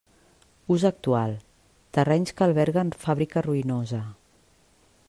Ús actual: terrenys que alberguen fàbrica ruïnosa.